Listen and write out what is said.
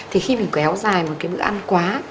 thì khi mình kéo dài một cái bữa ăn quá